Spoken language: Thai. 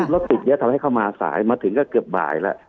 รถติดเยอะทำให้เข้ามาสายมาถึงก็เกือบบ่ายแล้ว